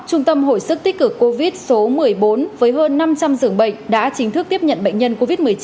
trung tâm hội sức tích cực covid số một mươi bốn với hơn năm trăm linh dưỡng bệnh đã chính thức tiếp nhận bệnh nhân covid một mươi chín